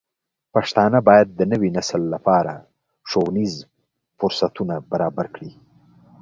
پښتانه بايد د نوي نسل لپاره ښوونیز فرصتونه برابر کړي.